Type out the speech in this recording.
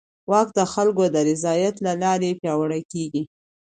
واک د خلکو د رضایت له لارې پیاوړی کېږي.